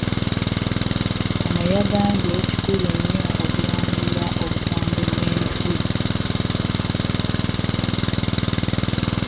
Ono yagambye nti kikulu nnyo okulwanirira obutonde bw'ensi